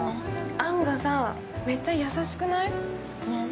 あんがめっちゃ優しくない？